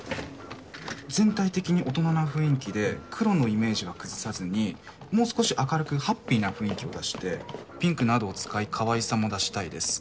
全体的に大人な雰囲気で黒のイメージは崩さずにもう少し明るくハッピーな雰囲気を出してピンクなどを使い可愛さも出したいです。